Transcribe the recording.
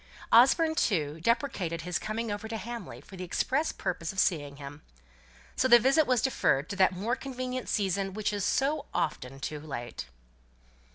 Osborne, too, deprecated his coming over to Hamley for the express purpose of seeing him. So the visit was deferred to that "more convenient season" which is so often too late.